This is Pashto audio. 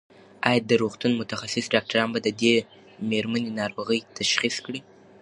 ایا د روغتون متخصص ډاکټران به د دې مېرمنې ناروغي تشخیص کړي؟